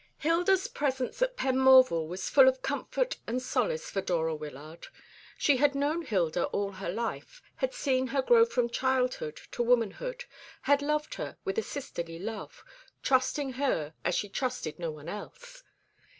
Hilda's presence at Penmorval was full of comfort and solace for Dora Wyllard. She had known Hilda all her life, had seen her grow from childhood to womanhood, had loved her with a sisterly love, trusting her as she trusted no one else.